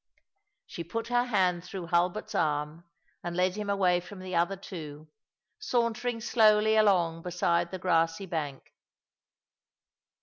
She put her hand through Hulbert's arm, and led him away from the other two, sauntering slowly along beside the grassy bank.